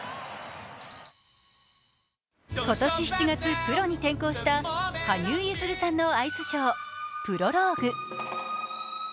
今年７月、プロに転向した羽生結弦さんのアイスショー「プロローグ」。